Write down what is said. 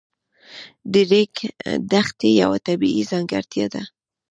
د ریګ دښتې یوه طبیعي ځانګړتیا ده.